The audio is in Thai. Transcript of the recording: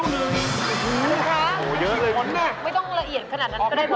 โอโหค่ะจะมีพวกไก่ไห่ไม่ต้องละเอียดขนาดนั้นก็ได้เพราะครับ